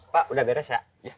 pak udah beres ya